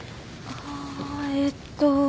ああえっと